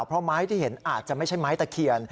เพราะไม้ที่เห็นอาจจะไม่ใช่ไม้ตะเคียน